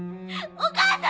お母さん！